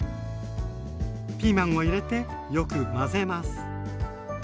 ピーマンを入れてよく混ぜます。